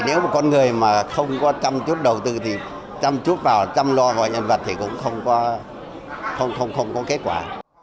nếu một con người mà không có chăm chút đầu tư thì chăm chút vào chăm lo vào nhân vật thì cũng không có kết quả